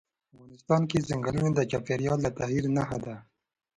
افغانستان کې ځنګلونه د چاپېریال د تغیر نښه ده.